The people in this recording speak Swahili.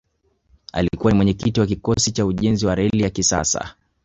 alikuwa ni mwenyekiti wa kikosi cha ujenzi wa reli ya kisasa